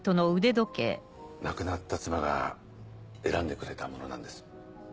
亡くなった妻が選んでくれたものなんです。